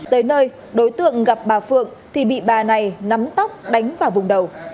tới nơi đối tượng gặp bà phượng thì bị bà này nắm tóc đánh vào vùng đầu